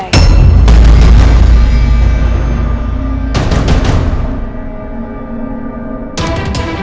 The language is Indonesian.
menjelaskan masalah di perbatasan